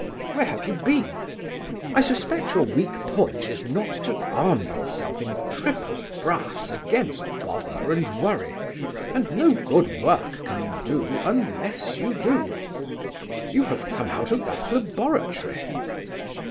Where have you been? I suspect your weak point is not to arm yourself in triple brass against bother and worry, and no good work can you do unless you do. You have come out of that laboratory."